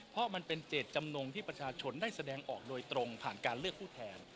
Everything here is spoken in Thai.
เพราะมันเป็นเจตจำนงที่ประชาชนได้แสดงออกโดยตรงผ่านการเลือกผู้แทน